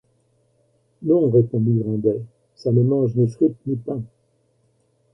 Non, répondit Grandet, ça ne mange ni frippe, ni pain.